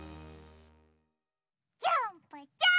ジャンプジャーンプ！